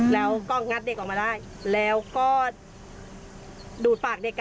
แล้วก็งัดเด็กออกมาได้แล้วก็ดูดปากเด็ก